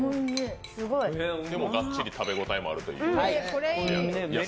でもがっちり食べ応えもあるという。